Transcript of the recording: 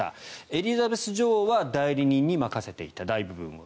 エリザベス女王は代理人に任せていた、大部分を。